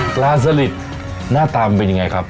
ปลาสลิดหน้าตามันเป็นยังไงครับ